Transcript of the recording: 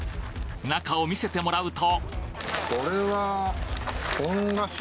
中を見せてもらうとこれは。